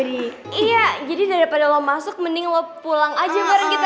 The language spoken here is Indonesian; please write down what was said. iya jadi daripada lo masuk mending lo pulang aja bareng kita